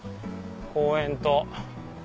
公園と。